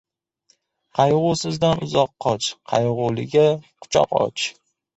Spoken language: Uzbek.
Qayg‘usizdan uzoq qoch, qayg‘uliga quchoq och.